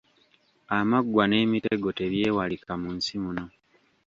Amaggwa n’emitego tebyewalika mu nsi muno.